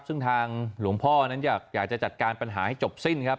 ซึ่งทางหลวงพ่อนั้นอยากจะจัดการปัญหาให้จบสิ้นครับ